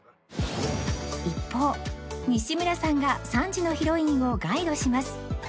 一方西村さんが３時のヒロインをガイドします